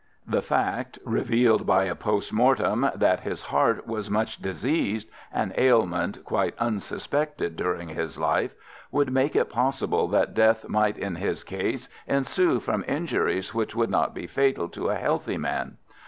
The fact, revealed by a post mortem, that his heart was much diseased—an ailment quite unsuspected during his life—would make it possible that death might in his case ensue from injuries which would not be fatal to a healthy man.